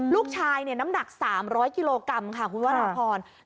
ลูกชายเนี่ยน้ำหนัก๓๐๐กิโลกรัมค่ะคุณพระอาทรพร